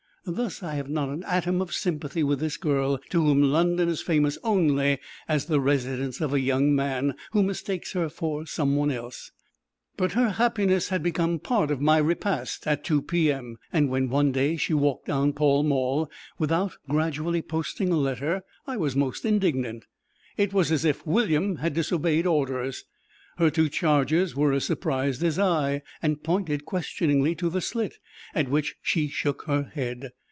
Thus I have not an atom of sympathy with this girl, to whom London is famous only as the residence of a young man who mistakes her for someone else, but her happiness had become part of my repast at two P.M., and when one day she walked down Pall Mall without gradually posting a letter I was most indignant. It was as if William had disobeyed orders. Her two charges were as surprised as I, and pointed questioningly to the slit, at which she shook her head.